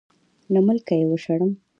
له ملکه یې وشړم.